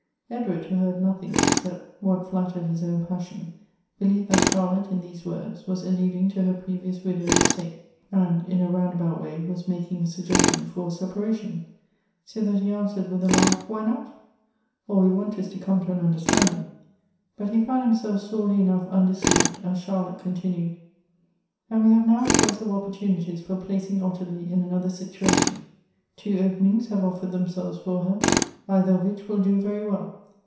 Edward, who heard nothing except what flattered his own passion, believed that Charlotte, in these words, was ."illuding to her previous widowed state, and, in a rounda bout Wiiy, was making a suggestion for a separation ; so that he answered, with a laugh, "Wliy not? all we want is to come to au understanding." But he found himself sorely enough undeceived, as Charlotte continued, " And Elective Affinities. 129 we have now a choice of opportunities for placing Ottilie in another situation. Two openings have offered them selves for her, either of which will do very well.